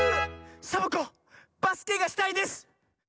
サボ子バスケがしたいです！